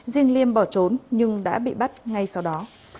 riêng liêm bỏ trốn nhưng đã bị bắt ngay sau đó